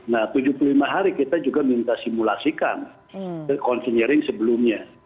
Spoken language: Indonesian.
nah tujuh puluh lima hari kita juga minta simulasikan konsenering sebelumnya